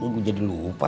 gue jadi lupa